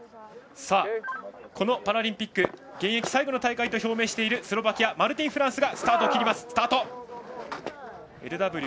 このパラリンピック現役最後の大会と表明しているスロバキアマルティン・フランスがスタート。